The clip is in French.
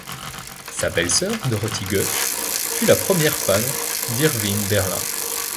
Sa belle-sœur Dorothy Goetz fut la première femme d’Irving Berlin.